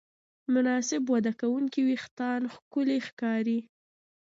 مناسب وده کوونکي وېښتيان ښکلي ښکاري.